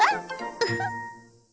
ウフッ。